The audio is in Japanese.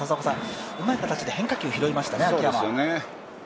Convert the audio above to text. うまい形で変化球を拾いましたね、秋山。